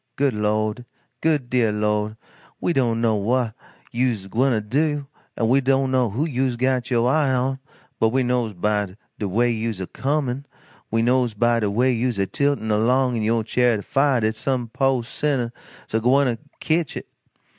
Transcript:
Good Lord, good deah Lord, we don't know whah you's a gwyne to, we don't know who you's got yo' eye on, but we knows by de way you's a comin', we knows by de way you's a tiltin' along in yo' charyot o' fiah dat some po' sinner's a gwyne to ketch it.